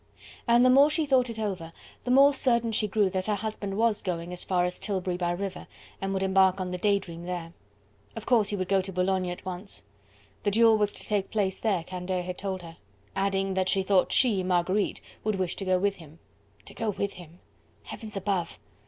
And the more she thought it over, the more certain she grew that her husband was going as far as Tilbury by river and would embark on the "Day Dream" there. Of course he would go to Boulogne at once. The duel was to take place there, Candeille had told her that... adding that she thought she, Marguerite, would wish to go with him. To go with him! Heavens above!